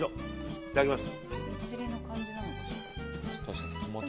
いただきます。